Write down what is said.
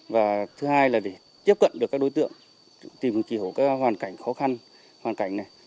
và thứ hai là để tiếp cận được các đối tượng tìm hiểu các hoàn cảnh khó khăn hoàn cảnh này